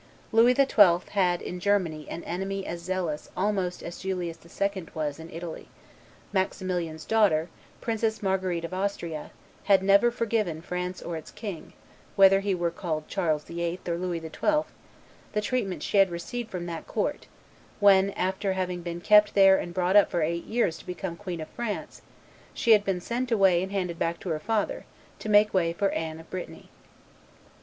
Louis XII. had in Germany an enemy as zealous almost as Julius II. was in Italy: Maximilian's daughter, Princess Marguerite of Austria, had never forgiven France or its king, whether he were called Charles VIII. or Louis XII., the treatment she had received from that court, when, after having been kept there and brought up for eight years to become Queen of France, she had been sent away and handed back to her father, to make way for Anne of Brittany.